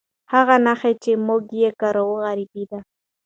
هغه نښې چې موږ یې کاروو عربي دي.